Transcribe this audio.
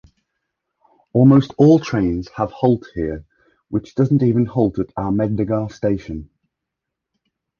Almost all trains have halt here which doesn't even halt at Ahmednagar station.